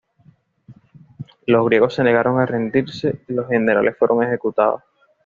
Los griegos se negaron a rendirse y los generales fueron ejecutados.